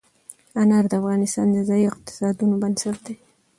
انار د افغانستان د ځایي اقتصادونو بنسټ دی.